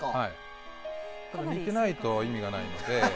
ただ、似てないと意味がないので。